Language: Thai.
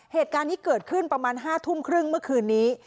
เหตุการณ์นี้เกิดขึ้นประมาณ๕ทุ่มครึ่งเมื่อคืนนี้